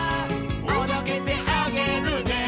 「おどけてあげるね」